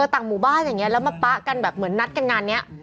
ต่างหมู่บ้านอย่างนี้แล้วมาปะกันแบบเหมือนนัดกันงานนี้